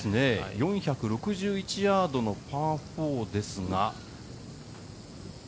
４６１ヤードのパー４ですが。